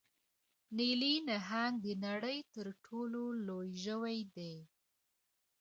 نیلي نهنګ د نړۍ تر ټولو لوی ژوی دی